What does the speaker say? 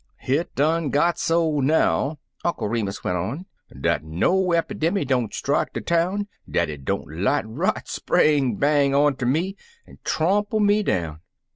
Hit done got so now," Uncle Remus went on, "dat no cpidemy don't strike de town dat it don't light right spang bang outer me an' tromple me down.